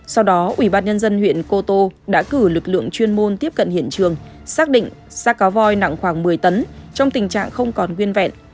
sau đó ubnd huyện cô tô đã cử lực lượng chuyên môn tiếp cận hiện trường xác định xác cá voi nặng khoảng một mươi tấn trong tình trạng không còn nguyên vẹn